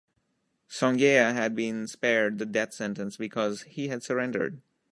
Songea had been spared the death sentence because he had surrendered.